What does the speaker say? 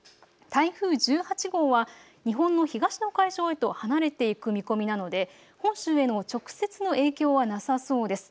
台風１８号は日本の東の海上へと離れていく見込みなので本州への直接の影響はなさそうです。